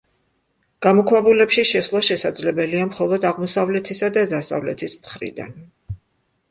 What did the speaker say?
გამოქვაბულებში შესვლა შესაძლებელია მხოლოდ აღმოსავლეთისა და დასავლეთის მხრიდან.